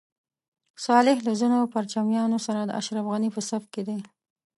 صالح له ځینو پرچمیانو سره د اشرف غني په صف کې دی.